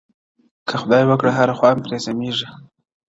که خدای وکړه هره خوا مي پرې سمېږي,